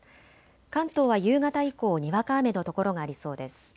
関東は夕方以降、にわか雨の所がありそうです。